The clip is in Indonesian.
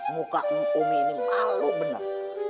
muka umi ini malu benar